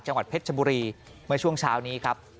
จังหวัดเพชรชบุรีเมื่อช่วงเช้านี้ครับ